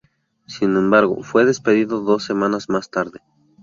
Sin embargo, fue despedido dos semanas más tarde.